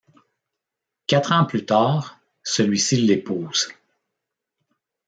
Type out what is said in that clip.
Quatre ans plus tard, celui-ci l'épouse.